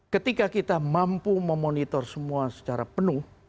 ketika kita mampu memonitor semua secara penuh